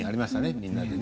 みんなで。